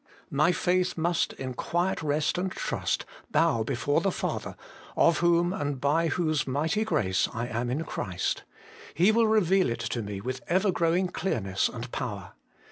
My faith must in quiet rest and trust bow before the Father, of whom and by whose Mighty Grace I am in Christ: He will reveal it to me with ever growing clearness and power.